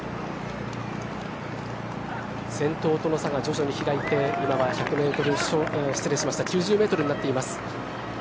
先頭との差が徐々に開いて今は９０ｍになっています。